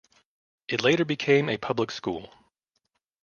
It later became a public school.